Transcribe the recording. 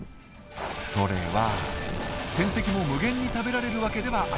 それは天敵も無限に食べられるわけではありません。